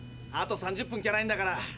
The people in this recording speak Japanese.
あと３０分しかないんだから。